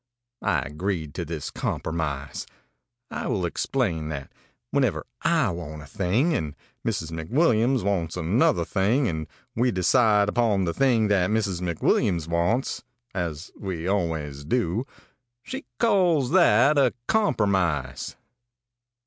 I agreed to this compromise. I will explain that whenever I want a thing, and Mrs. McWilliams wants another thing, and we decide upon the thing that Mrs. McWilliams wants as we always do she calls that a compromise.